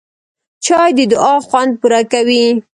چای د دعا خوند پوره کوي